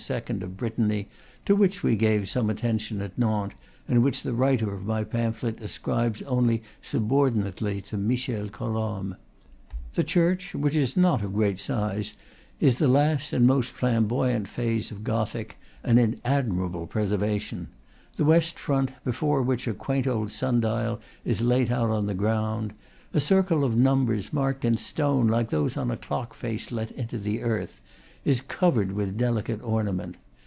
of Brittany, to which we gave some attention at Nantes, and which the writer of my pamphlet ascribes only subordinately to Michel Colomb. The church, which is not of great size, is in the last and most flamboyant phase of Gothic, and in admirable preservation; the west front, before which a quaint old sun dial is laid out on the ground, a circle of num bers marked in stone, like those on a clock face, let into the earth, is covered with delicate ornament.